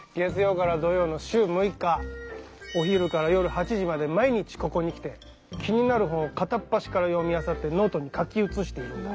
だからねお昼から夜８時まで毎日ここに来て気になる本を片っ端から読みあさってノートに書き写しているんだ。